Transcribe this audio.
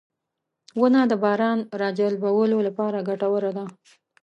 • ونه د باران راجلبولو لپاره ګټوره ده.